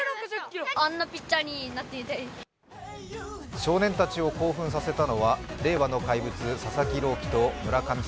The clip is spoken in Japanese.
少年たちを興奮させたのは令和の怪物・佐々木朗希と村神様